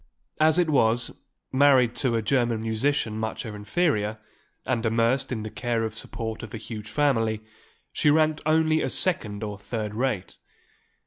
As it was, married to a German musician much her inferior, and immersed in the care and support of a huge family, she ranked only as second or third rate.